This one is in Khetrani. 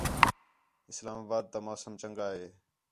اسلام آباد تا موسم چَنڳا ہے